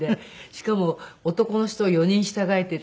しかも男の人を４人従えていたので。